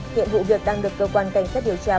hiện vụ việc đang được cơ quan cảnh sát điều tra